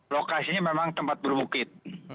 lokasinya memang tempat berbukit